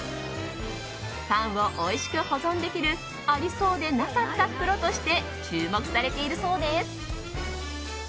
パンをおいしく保存できるありそうでなかった袋として注目されているそうです。